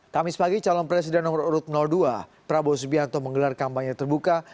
kamis pagi calon presiden nomor urut dua prabowo subianto menggelar kampanye terbuka